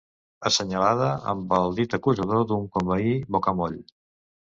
Assenyalada amb el dit acusador d'un conveí bocamoll.